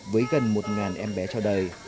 với gần một em bé trao đời